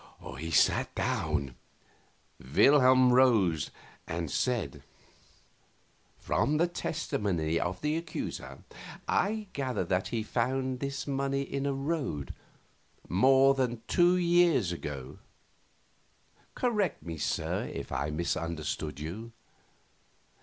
He sat down. Wilhelm rose and said: "From the testimony of the accuser I gather that he found this money in a road more than two years ago. Correct me, sir, if I misunderstood you."